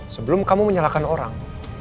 sebelum kamu menyalahkan orang